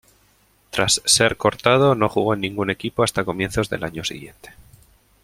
Tras ser cortado, no jugó en ningún equipo hasta comienzos del año siguiente.